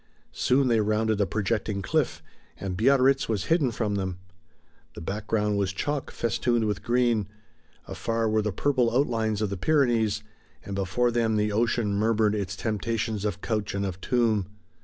Soon they rounded a projecting cliff, and Biarritz was hidden from them. The background was chalk festooned with green; afar were the purple outlines of the Pyrenees, and before them the ocean murmured its temptations of couch and of tomb.